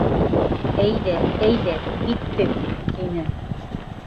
— Әйҙә, әйҙә, киттек, — тине.